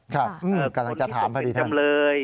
ครับกำลังจะถามพอดีท่านนะครับคนที่ถึงจำเลย